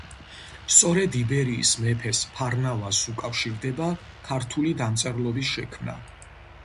სწორედ იბერიის მეფეს ფარნავაზს უკავშირდება ქართული დამწერლობის შექმნა.